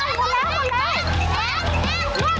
ไปแล้วไปแล้ว